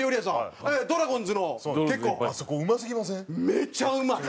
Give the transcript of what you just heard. めちゃうまい！